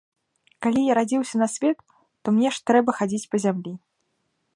Калі я радзіўся на свет, то мне ж трэба хадзіць па зямлі.